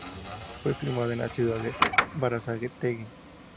Fue filmada en la ciudad de Berazategui.